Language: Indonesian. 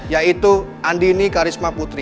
yaitu andini karisma putri